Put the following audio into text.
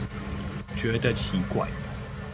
覺得奇怪